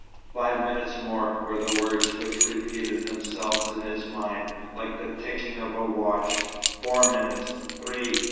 "Five minutes more," were the words which repeated themselves in his mind, like the ticking of a watch. "Four minutes. Three.